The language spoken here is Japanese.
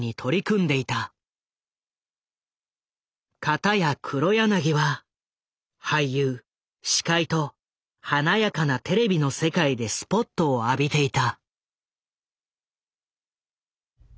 片や黒柳は俳優司会と華やかなテレビの世界でスポットを浴びていた。